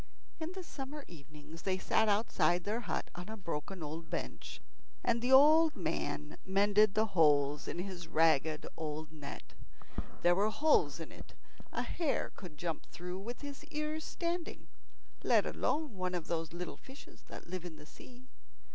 In the summer evenings they sat outside their hut on a broken old bench, and the old man mended the holes in his ragged old net. There were holes in it a hare could jump through with his ears standing, let alone one of those little fishes that live in the sea.